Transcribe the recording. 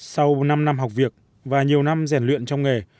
sau năm năm học việc và nhiều năm rèn luyện trong nghề